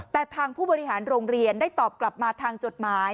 แต่ทางผู้บริหารโรงเรียนได้ตอบกลับมาทางจดหมาย